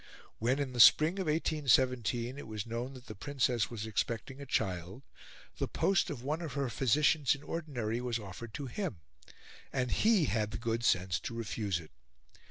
When, in the spring of 1817, it was known that the Princess was expecting a child, the post of one of her physicians in ordinary was offered to him, and he had the good sense to refuse it.